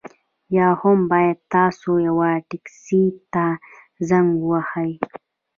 یا هم باید تاسو یوه ټکسي ته زنګ ووهئ